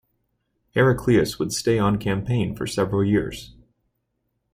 Heraclius would stay on campaign for several years.